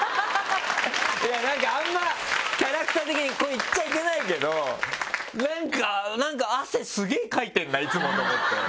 なんかあんまキャラクター的にこれ言っちゃいけないけど「なんか汗スゲェかいてるないつも」と思って。